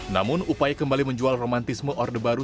namun upaya kembali menjual romantisme orde baru